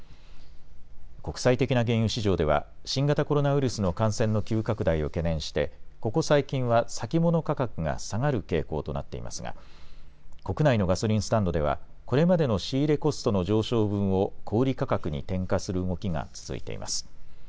国際的な原油市場では、新型コロナウイルスの感染の急拡大を懸念して、ここ最近は先物価格が下がる傾向となっていますが、国内のガソリンスタンドでは、これまでの仕入れコストの上昇分を小売り価格に転嫁する動きが続いています。